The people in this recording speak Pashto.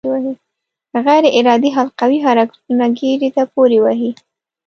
غیر ارادي حلقوي حرکتونه ګېډې ته پورې وهي.